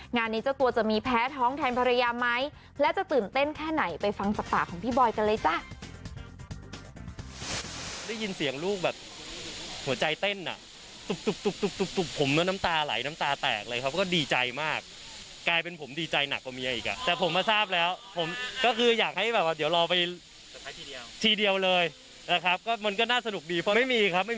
งานนี้เจ้าตัวจะมีแพ้ท้องแทนพยายามไหม